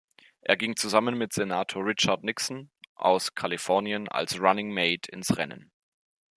Er ging zusammen mit Senator Richard Nixon aus Kalifornien als "Running Mate" ins Rennen.